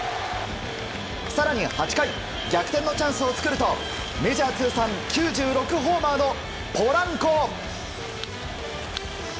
更に、８回逆転のチャンスを作るとメジャー通算９６ホーマーのポランコ！